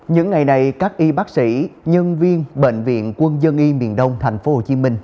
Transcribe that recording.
những ngày này các y bác sĩ nhân viên bệnh viện quân dân y miền đông thành phố hồ chí minh